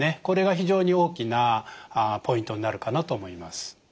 これが非常に大きなポイントになるかなと思います。